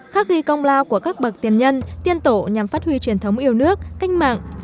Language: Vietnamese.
khắc ghi công lao của các bậc tiền nhân tiên tổ nhằm phát huy truyền thống yêu nước cách mạng